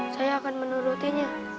saya akan menurutinya